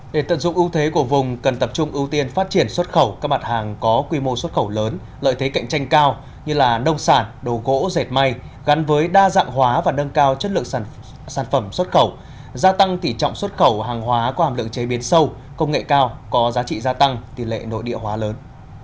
để tận dụng ưu thế của vùng cần tập trung ưu tiên phát triển xuất khẩu các mặt hàng có quy mô xuất khẩu lớn lợi thế cạnh tranh cao như nông sản đồ gỗ dệt may gắn với đa dạng hóa và nâng cao chất lượng sản phẩm xuất khẩu gia tăng tỉ trọng xuất khẩu hàng hóa có hàm lượng chế biến sâu công nghệ cao có giá trị gia tăng tỷ lệ nội địa hóa lớn